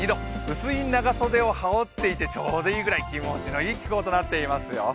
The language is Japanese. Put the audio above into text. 薄い長袖を羽織っていてちょうどいいくらい、気持ちのいい気候となっていますよ。